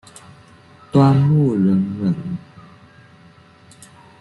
端木仁人。